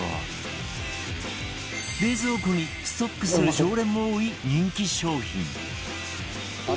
冷蔵庫にストックする常連も多い人気商品